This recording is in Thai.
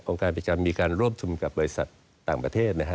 องค์การพิจารณ์มีการร่วมทุมกับบริษัทต่างประเทศ